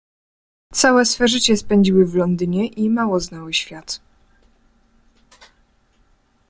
"Całe swe życie spędziły w Londynie i mało znały świat."